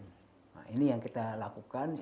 nah ini yang kita lakukan